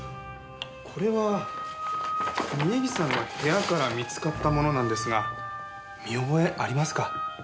これは峰岸さんの部屋から見つかったものなんですが見覚えありますか？